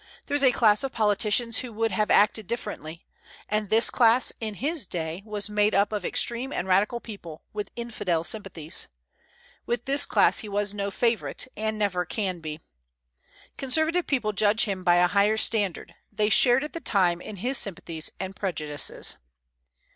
There is a class of politicians who would have acted differently; and this class, in his day, was made up of extreme and radical people, with infidel sympathies. With this class he was no favorite, and never can be. Conservative people judge him by a higher standard; they shared at the time in his sympathies and prejudices.